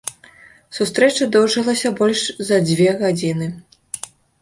Сустрэча доўжылася больш за дзве гадзіны.